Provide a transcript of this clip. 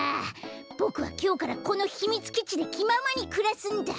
ボクはきょうからこのひみつきちできままにくらすんだ！